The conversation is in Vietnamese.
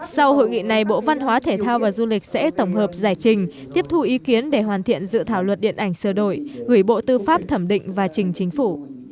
sau hội nghị này bộ văn hóa thể thao và du lịch sẽ tổng hợp giải trình tiếp thu ý kiến để hoàn thiện dự thảo luật điện ảnh sơ đổi gửi bộ tư pháp thẩm định và trình chính phủ